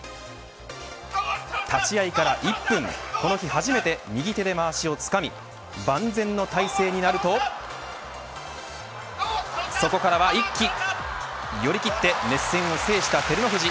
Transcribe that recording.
立ち合いから１分この日初めて右手でまわしをつかみ万全の体勢になるとそこからは一気より切って熱戦を制した照ノ富士。